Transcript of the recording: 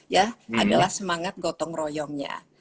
ya adalah semangat gotong royongnya